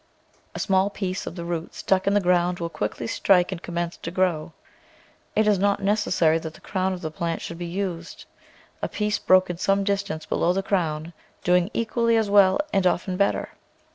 A small piece of the root stuck in the ground will quickly strike and commence to grow. It is not necessary that the crown of the plant should be used, a piece broken some distance below the crown doing equally as well and often better.